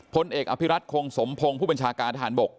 พลเอกอภิรัตคงสมพงศ์ผู้บัญชาการทหารบก